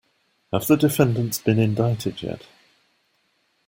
Have the defendants been indicted yet?